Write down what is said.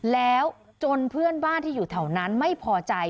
แล้วจนเพื่อนบ้านที่อยู่แถวนั้นไม่พอใจ